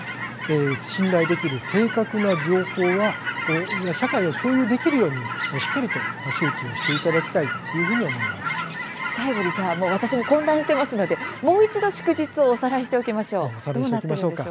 信頼できる正確な情報を社会が共有できるようにしっかりと集中をしていただきたい最後に私も混乱しているのでもう一度、祝日をおさらいしておきましょう。